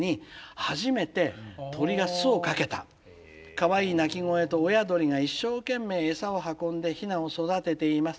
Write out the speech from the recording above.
「かわいい鳴き声と親鳥が一生懸命餌を運んでヒナを育てています。